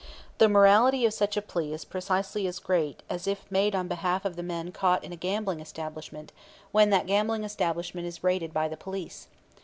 The morality of such a plea is precisely as great as if made on behalf of the men caught in a gambling establishment when that gambling establishment is raided by the police.